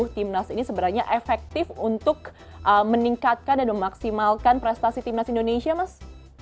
timnas ini sebenarnya efektif untuk meningkatkan dan memaksimalkan prestasi timnas indonesia mas